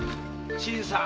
新さん